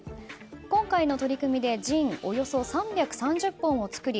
今回の取り組みでジンおよそ３３０本を造り